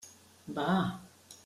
Bah!